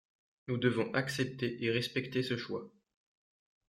Nous devons accepter et respecter ce choix.